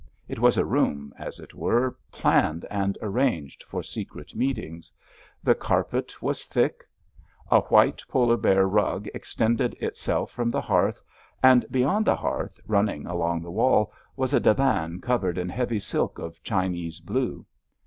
It was a room, as it were, planned and arranged for secret meetings. The carpet was thick; a while polar bear rug extended itself from the hearth, and beyond the hearth, running along the wall, was a divan covered in heavy silk of Chinese blue.